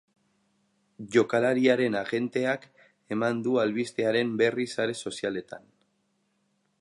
Jokalariaren agenteak eman du albistearen berri sare sozialetan.